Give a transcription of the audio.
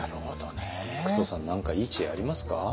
服藤さん何かいい知恵ありますか？